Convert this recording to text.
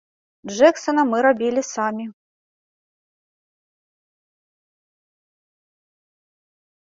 Джэксана мы рабілі самі.